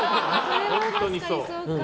本当にそう。